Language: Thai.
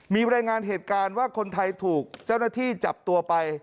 มีรายงานเหตุการณ์ว่าคนไทยถูกเจ้าหน้าที่จับตัวไป